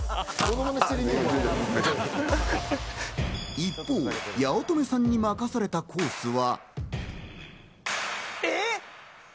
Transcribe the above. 一方、八乙女さんに任されたコースは。